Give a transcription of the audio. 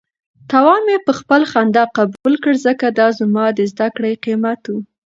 تاوان مې په خندا قبول کړ ځکه دا زما د زده کړې قیمت و.